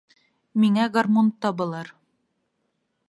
Миңә гармун табылыр.